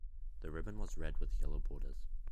The ribbon was red with yellow borders.